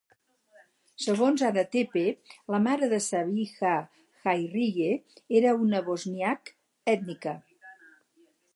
Segons Adatepe, la mare de Sabiha, Hayriye, era una Bosniak ètnica.